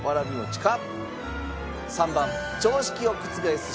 ３番常識を覆す